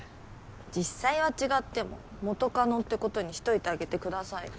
実際は違っても元カノってことにしといてあげてくださいよ。